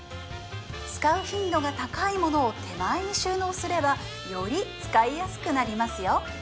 使う頻度が高いものを手前に収納すればより使いやすくなりますよ